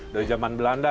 dari zaman belanda